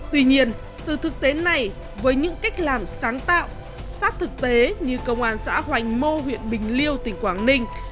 tuy nhiên từ thực tế này với những cách làm sáng tạo sát thực tế như công an xã hoành mô huyện bình liêu tỉnh quảng ninh